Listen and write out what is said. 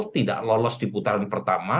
tidak lolos di putaran pertama